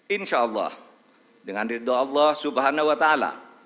insya allah dengan ridu allah subhanahu wa ta'ala